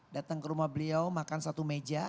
datang ke rumah beliau makan satu meja